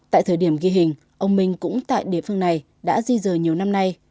tại thời điểm ghi hình ông minh cũng tại địa phương này đã di rời nhiều năm nay